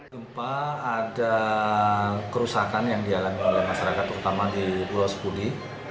gempa ada kerusakan yang dialami oleh masyarakat terutama di pulau sepudi